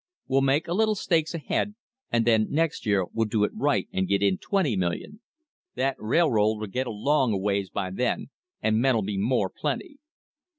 We'll make a little stake ahead, and then next year we'll do it right and get in twenty million. That railroad'll get along a ways by then, and men'll be more plenty."